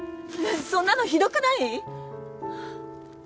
そんなのひどくない！？